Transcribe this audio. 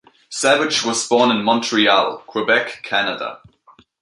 Savage was born in Montreal, Quebec, Canada.